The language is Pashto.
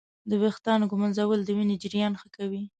د ویښتانو ږمنځول د وینې جریان ښه کوي.